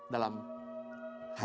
dalam kisah kisah ini